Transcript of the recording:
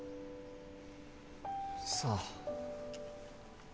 さあ。